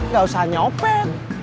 gak usah nyopet